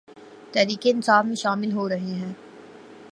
تحریک انصاف میں شامل ہورہےہیں